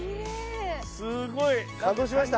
すごい。感動しました？